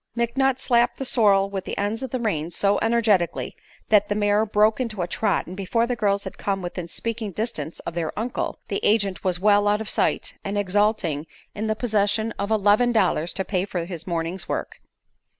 McNutt slapped the sorrel with the ends of the reins so energetically that the mare broke into a trot, and before the girls had come within speaking distance of their uncle, the agent was well out of sight and exulting in the possession of eleven dollars to pay for his morning's work.